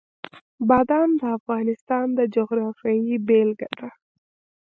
بادام د افغانستان د جغرافیې بېلګه ده.